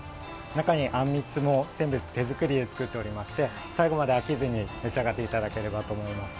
中のあんみつも全部、手作りで作っておりまして、最後まで飽きずに召し上がっていただければと思います。